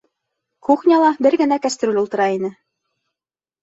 Кухняла бер генә кәстрүл ултыра ине.